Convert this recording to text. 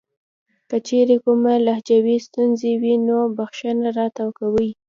کچېرې کومه لهجوي ستونزه وي نو بښنه راته کوئ .